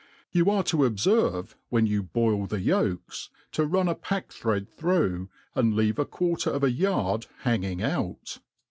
You are to obferve, when you boil the yolks, to run a packthread through, and leave a quarter of a yard hanging out.